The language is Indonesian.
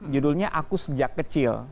judulnya aku sejak kecil